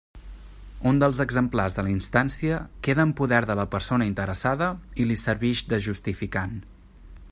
Un dels exemplars de la instància queda en poder de la persona interessada i li servix de justificant.